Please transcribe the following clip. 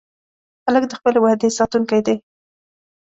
هلک د خپلې وعدې ساتونکی دی.